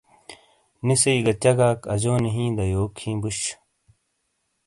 نی سئ گہ چگاک اجونی ہِیں دا یوک ہی بوش۔